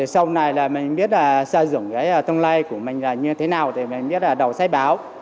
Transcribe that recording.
sau này là mình biết xây dựng cái tâm lý của mình là như thế nào thì mình biết đọc sách báo